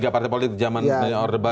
tiga partai politik zaman orde baru